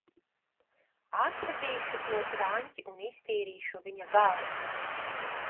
Atradīšu to draņķi un iztīrīšu viņa galvu!